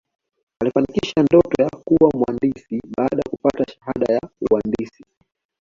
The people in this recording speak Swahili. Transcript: aliifanikisha ndoto ya kuwa mwandisi baada ya kupata shahada ya uandisi